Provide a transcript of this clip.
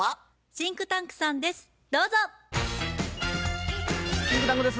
シンクタンクです。